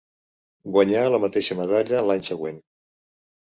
Guanyà la mateixa medalla l'any següent.